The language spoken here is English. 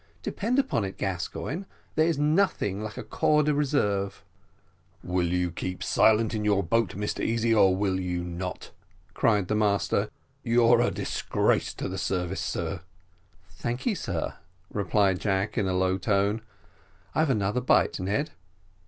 Depend upon it, Gascoigne, there is nothing like a corps de reserve." "Will you keep silence in your boat, Mr Easy, or will you not?" cried the master; "you're a disgrace to the service, sir." "Thank ye, sir," replied Jack, in a low tone. "I've another bite, Ned."